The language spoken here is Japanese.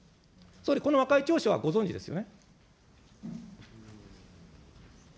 総理、この和解調書はご存じですよね。